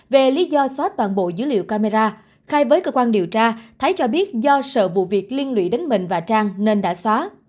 về lý do xóa toàn bộ dữ liệu camera khai với cơ quan điều tra thái cho biết do sợ vụ việc liên lụy đến mình và trang nên đã xóa